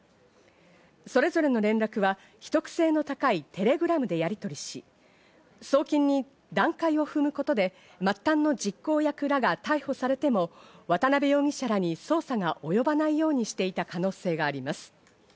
それぞれの連絡は秘匿性の高いテレグラムでやりとりし、送金に段階を踏むことで末端の実行役らが逮捕されても渡辺容疑者らに捜査が及ばないようにしていた可能性があります。